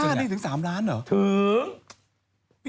เข้าที่ถึง๓ล้านเหรอ